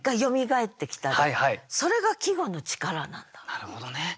なるほどね。